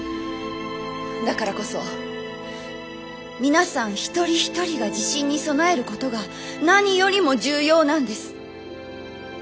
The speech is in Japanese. だからこそ皆さん一人一人が地震に備えることが何よりも重要なんです。